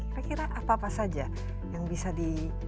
kira kira apa apa saja yang bisa di